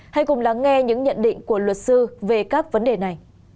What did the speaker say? hãy cùng lắng nghe những nhận định của luật sư về các vấn đề này